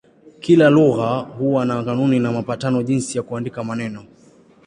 Kila lugha huwa na kanuni na mapatano jinsi ya kuandika maneno.